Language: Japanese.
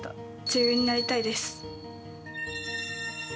女優になりたいです。